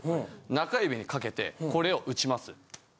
中指にかけてこれをうちます。